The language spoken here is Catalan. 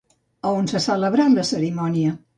A on s'ha celebrat la cerimònia?